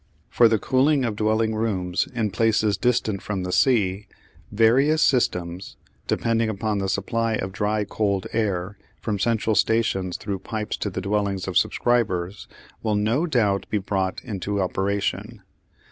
For the cooling of dwelling rooms in places distant from the sea, various systems, depending upon the supply of dry cold air from central stations through pipes to the dwellings of subscribers, will no doubt be brought into operation.